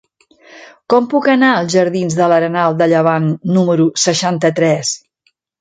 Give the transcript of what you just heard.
Com puc anar als jardins de l'Arenal de Llevant número seixanta-tres?